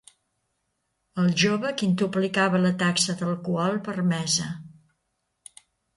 El jove quintuplicava la taxa d'alcohol permesa.